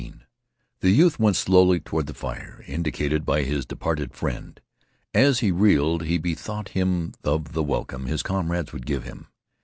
The youth went slowly toward the fire indicated by his departed friend. As he reeled, he bethought him of the welcome his comrades would give him.